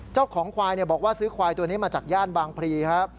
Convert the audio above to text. เจ้าของควายบอกว่าซื้อควายตัวนี้มาจากย่านบางพลีครับ